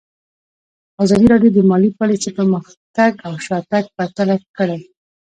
ازادي راډیو د مالي پالیسي پرمختګ او شاتګ پرتله کړی.